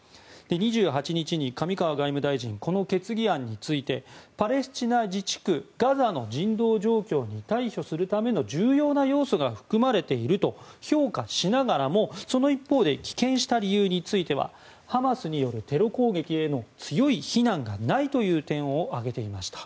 ２８日に上川外務大臣この決議案についてパレスチナ自治区ガザの人道状況に対処するための重要な要素が含まれていると評価しながらもその一方で棄権した理由についてはハマスによるテロ攻撃への強い非難がないという点を挙げていました。